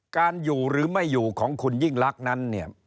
การอยู่หรือไม่อยู่ของคุณยิ่งลักษณ์นั้นเนี่ย